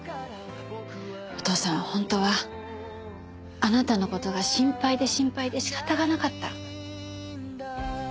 お父さん本当はあなたの事が心配で心配で仕方がなかった。